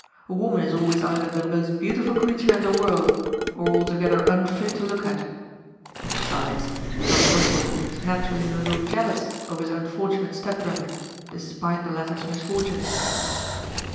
A woman is always either *• the most beautiful creature in the world' or 'altogether unfit to look at' And besides, young Lossell is naturally a little jealous of his unfortunate step brother, despite the latter's misfortune."